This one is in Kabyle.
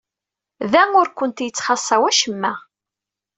Da ur kent-yettxaṣṣa wacemma.